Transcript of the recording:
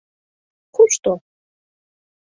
Кушто?